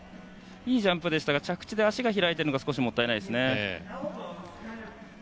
いいジャンプでしたが着地で足が開いているのが少しもったいないですよね。